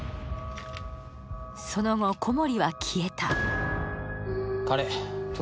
その後、小森は消えた。